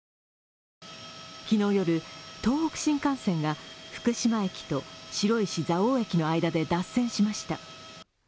昨日夜、東北新幹線が福島駅と白石蔵王駅の間で脱線しました。